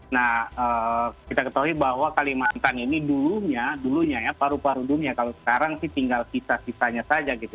nah kita ketahui bahwa kalimantan ini dulunya dulunya ya paru paru dunia kalau sekarang sih tinggal kisah kisahnya saja gitu